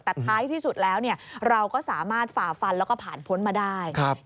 แต่ท้ายที่สุดแล้วเราก็สามารถฝ่าฟันแล้วก็ผ่านพ้นมาได้